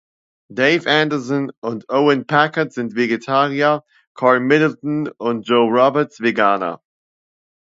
Dave Anderson und Owen Packard sind Vegetarier, Karl Middleton und Joe Roberts Veganer.